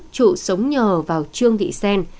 trụ sống nhờ vào trương thị sen